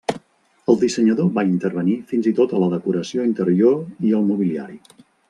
El dissenyador va intervenir fins i tot a la decoració interior i el mobiliari.